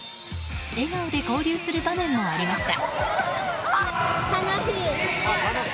笑顔で交流する場面もありました。